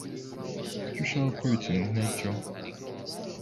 Kuki ushaka gukora ikintu nkicyo?